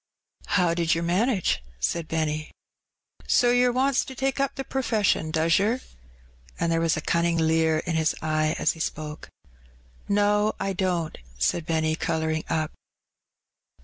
"How did yer manage?" said Benny. "So yer wants to take up the per fession, does yer?" And there was a cunning leer in his eye as he spoke. "No, I don't," said Benny, colouring up.